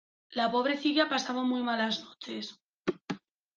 La pobrecilla pasaba muy malas noches.